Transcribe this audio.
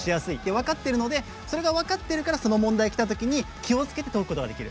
分かっているので分かっているから、その問題出たとき、気をつけて解くことができる。